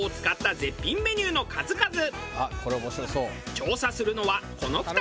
調査するのはこの２人。